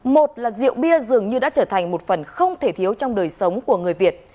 một là rượu bia dường như đã trở thành một phần không thể thiếu trong đời sống của người việt